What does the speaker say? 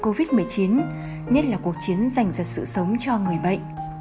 dịch bệnh covid một mươi chín nhất là cuộc chiến dành ra sự sống cho người bệnh